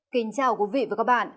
kính chào quý vị và các bạn